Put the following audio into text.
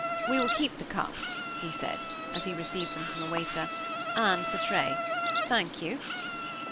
"We will keep the cups," he said, as he received them from the waiter, "and the tray. Thank you."